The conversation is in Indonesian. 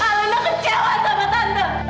alena kecewa sama tante